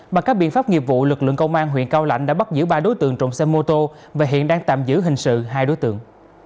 bằng các biện pháp nghiệp vụ lực lượng công an huyện cao lãnh đã bắt giữ ba đối tượng trộm xe mô tô và hiện đang tạm giữ hình sự hai đối tượng